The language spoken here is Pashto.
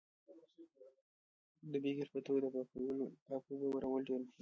د بیلګې په توګه د پاکو اوبو برابرول ډیر مهم دي.